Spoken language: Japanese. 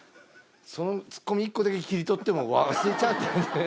そのツッコミ一個だけ切り取っても忘れちゃった。